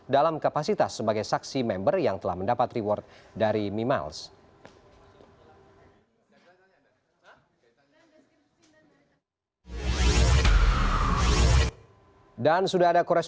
dalam kapasitas sebagai saksi member yang telah mendapat reward dari mimiles